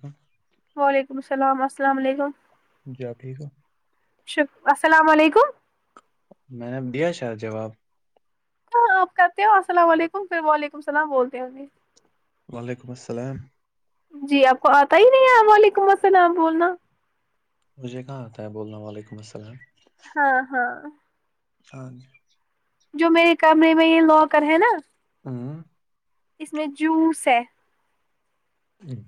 ہ [inaudible] وعلیکم السلام السلام علیکم جب ٹھیک ہے شپ السلام علیکم میں نے اب دیا شاید جواب ہاں آپ کرتے ہو السلام علیکم پھر وعلیکم السلام بولتے ہوے وعلیکم السلام جی آپ کو آتا ہی نہیں ہے وعلیکم السلام بولنا مجھے کہاں آتا ہے بولنا وعلیکم السلام ہاں ہاں ہاں جو میرے کمرے میں یہ لاکر ہے نا ہوں اس میں جوس ہے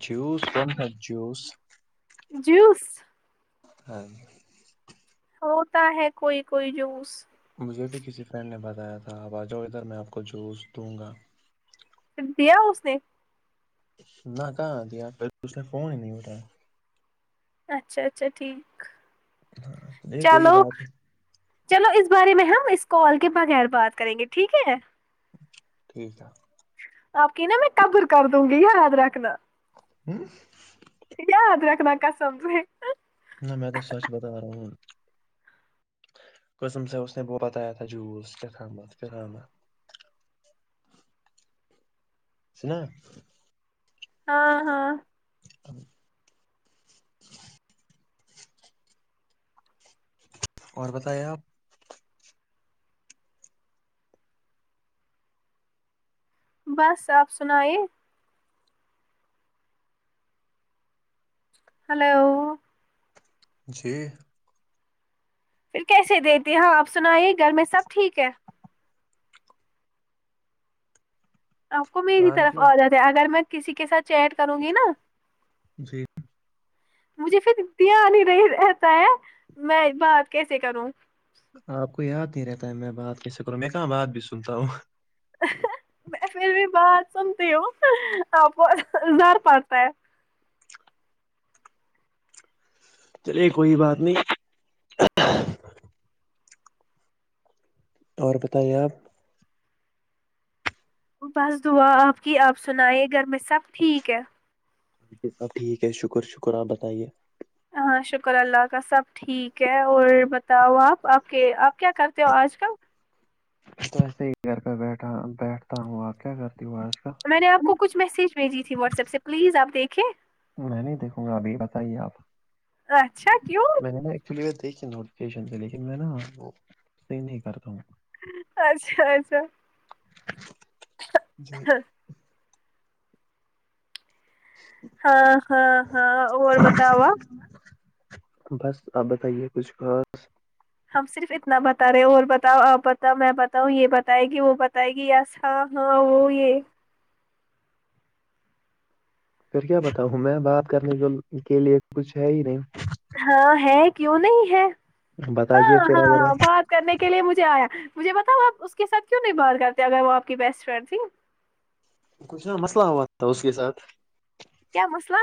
جوس بن ہے جوس جوس ہاں ہوتا ہے کوئی کوئی جوس مجھے بھی کسی فرینڈ نے بتایا تھا آپ آ جاؤ ادھر میں آپ کو جوس دوں گا دیا اس نے نہ کہاں دیا اس نے فون ہی نہیں اٹھایا اچھا اچھا ٹھیک یہ کوئی چلو بات نہیں چلو اس بارے میں ہم اس کال کے بغیر بات کریں گے ٹھیک ہے ٹھیک ہے آپ کہ نا میں قبر کر دوں گی یاد رکھنا ہوں یاد رکھنا کسم سے نہ میں تو سچ بتا رہا ہوں قسم سے اس نے وہ بتایا تھا جوس کتت کامت سنا ہاں ہاں ا [inaudible] اور بتایے آپ بس آپ سنائے ہلو جی پھر کیسے دیتی ہاں آپ سنائیے گھر میں سب ٹھیک ہے آپ کو میری ہاں طرف جی عادت ہے اگر میں کسی کے ساتھ چیٹ کروں گی نا جی مجھے پھر دھیان ہی نہیں رہتا ہے میں بات کیسے کروں آپ کو یاد نہیں رہتا ہے میں بات کیسے کروں میں کہاں بات بھی سنتا ہوں میں پھر بھی بات سنتی ہوں آپ کو زر پڑتا ہے چلئے کوئی بات نہیں اور بتائیے آپ بس دعا آپ کی آپ سنائے گھر میں سب ٹھیک ہے بالکل سب ٹھیک ہے شکر شکر آپ بتائیے ہاں شکر اللہ کا سب ٹھیک ہے اور بتاؤ آپ آپ کے آپ کیا کرتے ہو آج کل میں تو ویسے ہی گھر پے بیٹھا بیٹھتا ہوں آپ کیا کرتی ہوں آج کل میں نے آپ کو کچھ میسج بھیجی تھی واٹس ایپ سے پلیز آپ دیکھے میں نہیں دیکھوں گا ابھی بتائیے آپ اچھا کیوں میں نے نا یہ چلئیے دیکھی نوٹیفکیشن سے لیکن میں نا آپ کو سین نہیں کرتا ہوں اچھا اچھا جی ہاں ہاں ہاں اور بتاؤ آپ بس آپ بتائیے کچھ ہا ہم صرف اتنا بتا رہے اور بتاؤ آپ بتاؤ میں بتاؤں یہ بتائے گی وہ بتائے گی یس ہاں ہاں وہ یہ پھر کیا بتاؤں میں بات کرنے کو کے لیے کچھ ہے ہی نہیں ہاں ہے کیوں نہیں ہے بتائیے ہاں ہاں پھر اگر ہاں بات کرنے کے لیے مجھے آیا مجھے بتاؤ آپ اس کے ساتھ کیوں نہیں بات کرتے اگر وہ آپ کی بیسٹ فرینڈ تھی کچھ نا مسئلہ ہوا تھا اس کے ساتھ کیا مسئلہ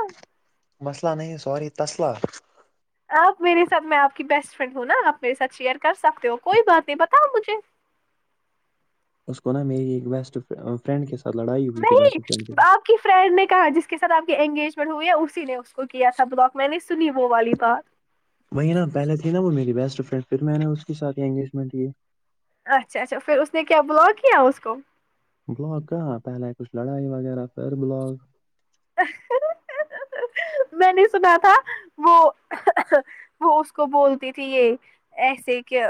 مسئلہ نہیں سوری تسلح آپ میرے ساتھ میں آپ کی بیسٹ فرینڈ ہوں نا آپ میرے ساتھ شیئر کر سکتے ہو کوئی بات نہیں بتاؤ مجھے اس کو نا میری بیسٹ فرینڈ کے ساتھ لڑائی ہوئی تھی نہیں بیسٹ فرینڈ کے ساتھ آپ کی فرینڈ نے کہا جس کے ساتھ آپ کی انگیجمنٹ ہوئی ہے اسی نے اس کو کیا تھا بلاک میں نے سنی وہ والی بات وہی نا پہلے تھی نا وہ میری بیسٹ فرینڈ پھر میں نے اس کے ساتھ ہی انگیجمنٹ کی اچھا اچھا پھر اس نے کیا بلاک کیا اس کو بلاک کہاں پہلے کچھ لڑائی وغیرہ پھر بلاک اہ ہا ہا ہا ہا میں نے سنا تھا وہ وہ اس کو بولتی تھی یہ ایسے کہ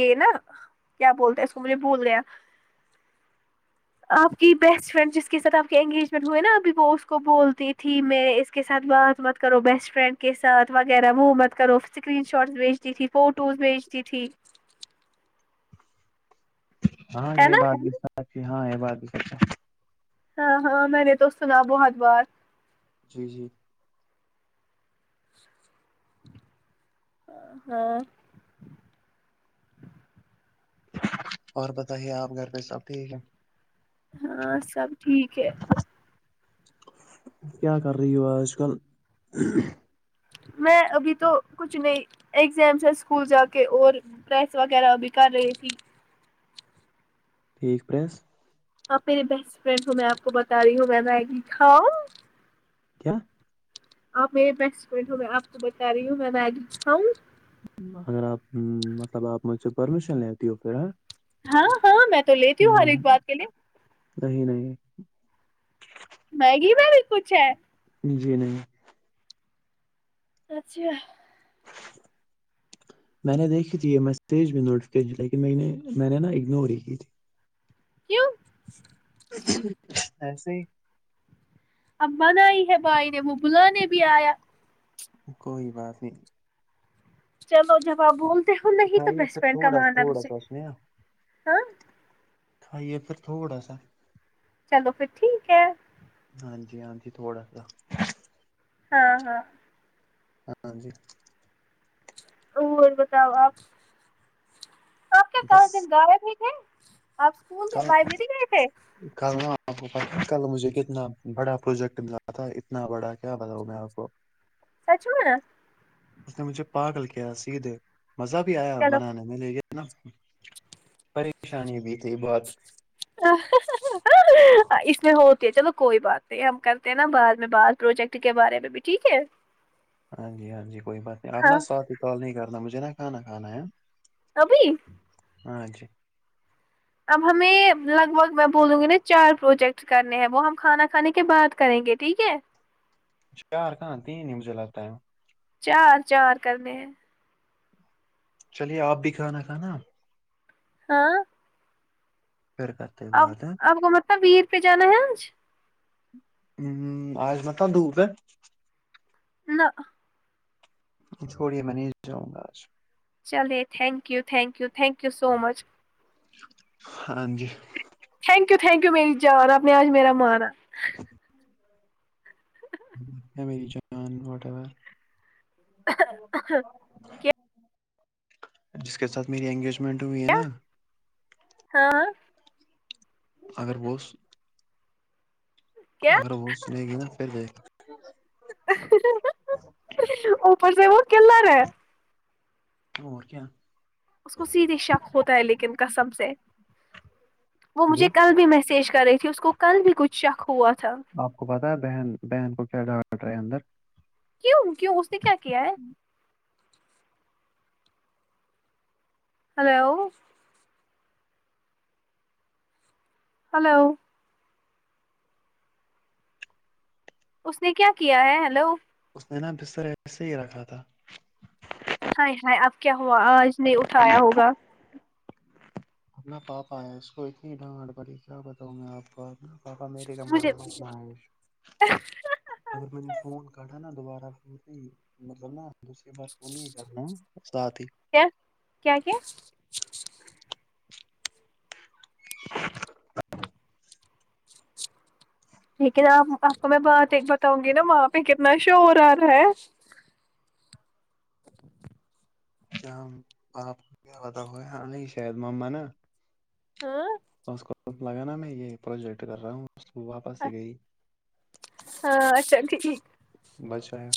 یہ نا کیا بولتے اس کو مجھے بھول گیا آپ کی بیسٹ فرینڈ جس کے ساتھ آپ کے انگیجمنٹ ہوئے نا ابھی وہ کو بولتی تھی میں اس کے ساتھ بات مت کرو بیسٹ فرینڈ کے ساتھ وغیرہ وہ مت کرو اسکرین شاٹس بھیجتی تھی فوٹوز بھیجتی تھی ہاں ہے یہ نا بات بھی صحیح ہاں یہ بات بھی صحیح ہاں ہاں میں نے تو سنا بہت بار جی جی ہاں اور بتائیے آپ گھر پہ سب ٹھیک ہے ہاں سب ٹھیک ہے کیا کر رہی ہو آج کل میں ابھی تو کچھ نہیں اگزام سے اسکول جا کے اور پریس وغیرہ بھی کر رہی تھی ٹھیک پریس آپ میرے بیسٹ فرینڈ ہو میں آپ کو بتا رہی ہوں میں میگی کھاؤں کیا آپ میرے بیسٹ فرینڈ ہے میں آپ کو بتا رہی ہوں میں میگی کھاؤں اگر آپ مطلب آپ مجھ سے پرمیشن لیتی ہو پھر اہ ہاں ہاں میں تو لیتی ہوں ہر ایک بات کے لیے نہیں نہیں میگی میں بھی کچھ ہے جی نہیں اچھا میں نے دیکھی تھی یہ میسیج بھی نوٹیفکیشن لیکن میں نے میں نے نا اگنور ہی کی تھی کیوں ایسے ہی اب بنائی ہے بھائی نے وہ بلانے بھی آیا کوئی بات نہیں چلو جب آپ بول کھائی یہ پھر تھوڑا تھوڑا سنے نا ہاں کھائیے پھر تھوڑا سا چلو پھر ٹھیک ہے ہاں جی ہاں جی تھوڑا سا ہاں ہاں ہاں جی اور بتاؤ آپ آپ کے بس کہاں دن غائب بھی تھے آپ اسکول کہا پہ لائبریری گئے تھے کل آپ کو پتا ہے کل مجھے کتنا بڑا پروجیکٹ ملا تھا اتنا بڑا کیا بتاؤں میں آپ کو سچ میں اس نے مجھے پاگل کیا سیدھے مزہ بھی آیا چلو بنانے میں لیکن نا پریشانی بھی تھی بہت ہا ہا۔ ہ ہ اس میں ہوتی ہے چلو کوئی بات نہیں ہم کرتے ہیں نا بعد میں بات پروجیکٹ کے بارے میں ابھی ٹھیک ہے ہاں جی ہاں جی کوئی بات نہیں آپ ہاں نا ساتھ ہی کال نہیں کرنا مجھے نا کھانا کھانا ہے ابھی ہاں جی اب ہمیں لگ بھگ میں بولوں گی نا چار پروجیکٹ کرنے ہیں وہ ہم کھانا کھانے کے بات کریں گے ٹھیک ہے چار کہاں تین ہی مجھے لگتا ہے چار چار کر نے ہیں چلیے آپ بھی کھانا کھانا ہاں پھرکر اب آپ کو مطلب ویر پہ جانا ہے آج ہ آج مطلب دھوپ ہے نہ چھوڑیے میں نہیں جاؤں گا آج چلے thank you thank you thank you so much ہاں جی تھینک یو تھینک یو مری جان آپ نے آج میرا مانا اے میری جان واٹ آور [unintelligible] جس کے ساتھ میری انگیجمنٹ ہوئی ہے نا کہاں اگر وہ اس کیا اگر وہ سنے گی نا پھر دیکھ اوپر سے وہ کلرر ہے اور کیا اس کو سیدھے شک ہوتا ہے لیکن قسم سے وہ جی مجھے کل بھی میسج کر رہی تھی اس کو کل بھی کچھ شک ہوا تھا اپ کو پتا ہے بہن بہن کو کیا ڈانٹ رہا ہے اندر کیوں کیوں اس نے کیا کیا ہے ہیلو ہیلو اس نے کیا کیا ہے ہیلو اس نے نا بستر ایسے ہی رکھا تھا ہائے ہائے اب کیا ہوا آج نہیں اٹھایا ہوگا اپنا پاب ایا اس کو اتنی ڈانٹ پڑی کیا بتاؤں میں اپ کا اب نا پا پا میری کمرہ مجھے [unintelligible] اگر میں نے فون کاٹھا نا دوبارہ [unintelligible] مطلب نا دوسری بار فون نہیں کر نہ ساتھ ہی کیا کیا کیا لیکن آپ آپ کو میں بات ایک بتاؤں گی نا وہاں پہ کتنا شور آ رہا ہے کیا اپ کو کیا بتاؤں میں ہاں نہیں شاید مما نا ہاں اس کو لگا نا میں یہ پروجیکٹ کر رہا ہوں اس واپس ہی گئی ہاں اچھا ٹھیک بچ آیا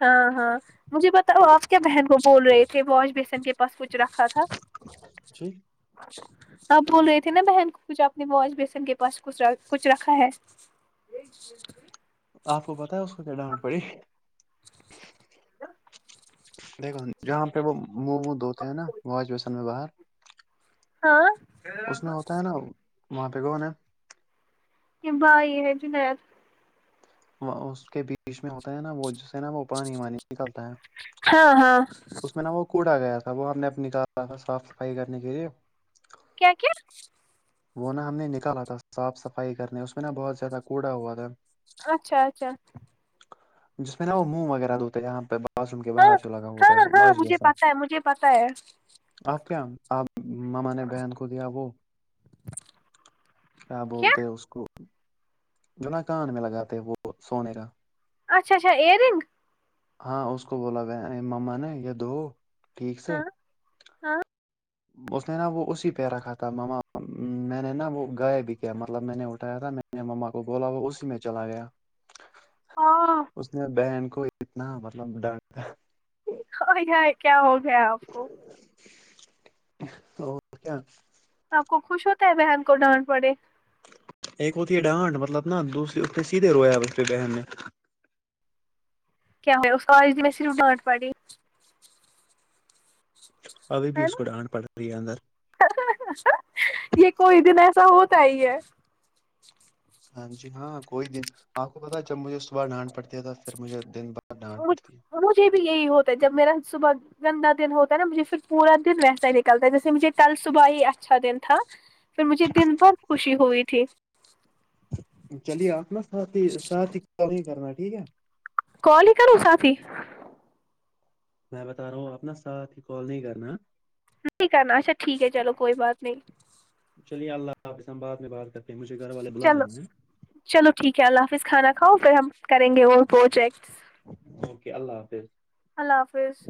ہاں ہاں مجھے بتاؤ اپ کیا بہن کو بول رہے تھے واش بیسن کے پاس کچھ رکھا تھا جی آپ بول رہے تھے نا بہن کچھ اپنے واش بیسن کے پاس کچھ کچھ رکھا ہے [inaudible] اپ کو پتا ہے اس کو کیا ڈانٹ پڑی دیکھو جہاں پہ وہ منہ وع دھوتے ہیں نا واش بیسن میں باہر ہاں اس میں ہوتا ہے نا وہاں پہ کون ہے یہ بھائی ہے جنید وہ اس کے بیچ میں ہوتا ہے نا وہ جسے نا وہ پانی وانی نکلتا ہے ہاں ہاں اس میں نا وہ کوڑ آگیا تھا وہ ہم نے اب نکالا تھا صاف صفائی کرنے کے لیے کیا کیا وہ نا ہم نے نکالا تھا صاف صفائی کرنے اس میں نا بہت زیادہ کوڑا ہوا تھا اچھا اچھا جس میں نا وہ منہ وغیرہ دھوتا یہاں پہ واشروم کے ہاں باہر جو لگا ہاں ہاں واش با مجھے پتا ہے مجھے پتا ہے آپ کیا آپ مما نے بہن کو دیا وہ کیا بولتے ہیں اس کو جونا کان میں لگاتے وہ سونے کا اچھا اچھا ائیرنگ ہاں اس کو بولا گیا مما نے یہ دھو ٹھیک سے ہاں اس نے نا وہ اسی پہ رکھا تھا ماما میں نے نا وہ گایا بھی کیا مطلب میں نے اٹھایا تھا میں مما کو بولا وہ اس میں چلا گیا ہاں اس نے بہن کو اتنا مطلب ڈانٹا او ہائی کیا ہو گیا آپ کو اور کیا آپ کو خوش ہوتا ہے بہن کو ڈانٹ پڑے ایک ہوتی ہے ڈانٹ مطلب نا دوسری ا پنے سیدھے رویا اس پہ بہن نے کیا ہو اس آج بھی میں صرف ڈانٹ پڑھی ابھی بھی ہے اس کو نا ڈانٹ پڑ تی ہے اندر یہ کوئی دن ایسا ہوتا ہی ہے ہاں جی ہاں کوئی دن آپ کو پتا ہے جب مجھے اس صبح ڈانٹ پڑتی ہے تھا پھر مجھے دن بعد ڈانٹ پڑتی ہے مجھ- مجھے بھی یہی ہوتا ہے جب میرا صبح گندا دن ہوتا ہے نا مجھے پھر پورا دن ویسا ہی نکلتا ہے جیسے مجھے کل صبح ہی اچھا دن تھا پھر مجھے دن بھر خوشی ہوئی تھی چلیے آپ نا ساتھی ساتھی کو ہی کرنا ٹھیک ہے کال ہی کرو ساتھ ہی میں بتا رہا ہوں آپ نا ساتھ ہی کال نہیں کرنا نہیں کرنا اچھا ٹھیک ہے چلو کوئی بات نہیں چلیے اللہ حافظ ہم بعد میں بات کر چلو چلو ٹھیک ہے اللہ حافظ کھانا کھاو پھر ہم کریں گے وہ ہوجیکس اوکے اللہ حافظ اللہ حافظ